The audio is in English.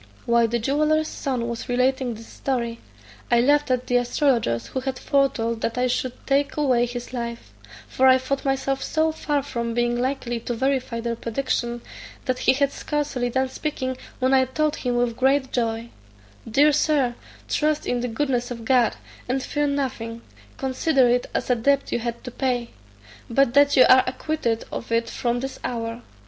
While the jeweller's son was relating this story, I laughed at the astrologers who had foretold that I should take away his life; for I thought myself so far from being likely to verify their prediction, that he had scarcely done speaking, when I told him with great joy, "Dear Sir, trust in the goodness of God, and fear nothing; consider it as a debt you had to pay; but that you are acquitted of it from this hour.